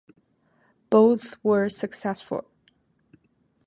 Both were successful.